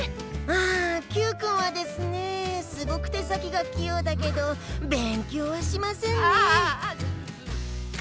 あＱくんはですねぇすごく手先がきようだけど勉強はしませんねえ。